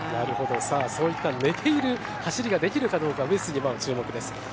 そういった寝ている走りができるかどうか上杉真穂、注目です。